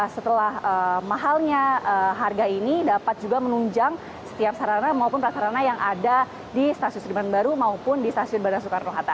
setelah mahalnya harga ini dapat juga menunjang setiap sarana maupun prasarana yang ada di stasiun sediman baru maupun di stasiun bandara soekarno hatta